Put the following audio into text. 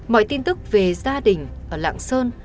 mọi tin tức về gia đình ở lạng sơn